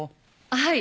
はい。